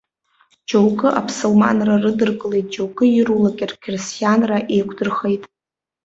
Џьоукы аԥсылманра рыдыркылеит, џьоукы ирулак рқьырсианра еиқәдырхеит.